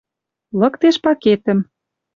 лыктеш пакетӹм.